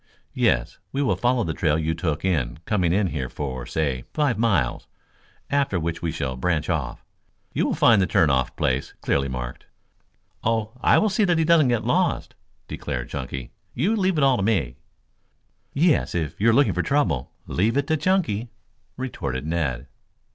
"Yes. We will follow the trail you took in coming in here for, say five miles, after which we shall branch off. You will find the turning off place clearly marked." "Oh, I will see that he doesn't get lost," declared Chunky. "You leave it all to me." "Yes, if you are looking for trouble, leave it to Chunky," retorted Ned.